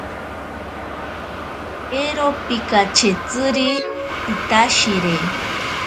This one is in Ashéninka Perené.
Ero pikachetziri pitashire.